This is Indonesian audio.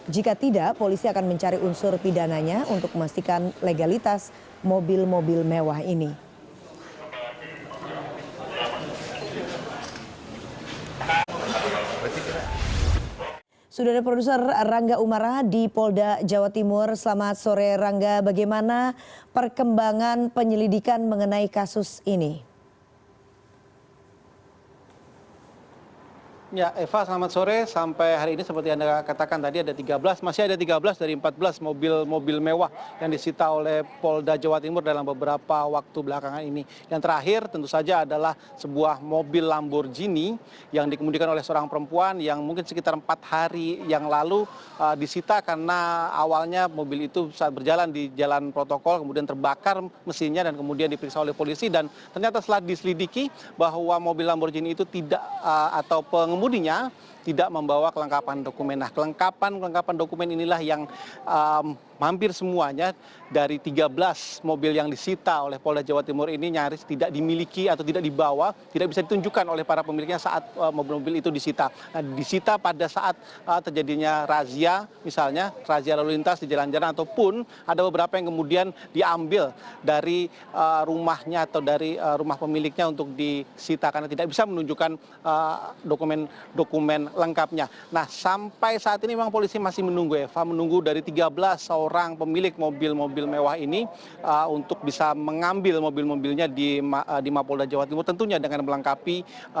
jika tidak polisi akan mencari unsur pidananya untuk memastikan legalitas mobil mobil mewah ini